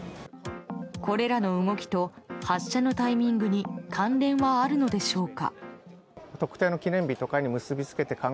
これらの動きと発射のタイミングに関連はあるのでしょうか。